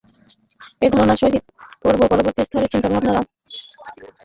এই ধারণার সহিত পরবর্তী স্তরের চিন্তাধারায় আত্মার ধারণা সম্মিলিত হইয়াছে।